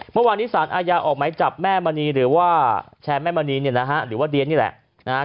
เมื่อวานนี้ศาลอาญาออกใหม่จับแม่มณีหรือว่าแชร์แม่มณีหรือว่าเดียนนี่แหละ